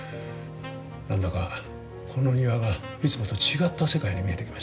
何だかこの庭がいつもと違った世界に見えてきましたよ。